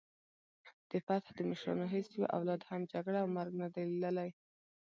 د فتح د مشرانو هیڅ یوه اولاد هم جګړه او مرګ نه دی لیدلی.